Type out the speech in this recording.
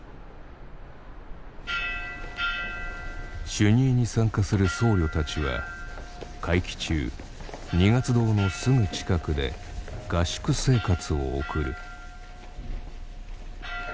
修二会に参加する僧侶たちは会期中二月堂のすぐ近くで合宿生活を送る。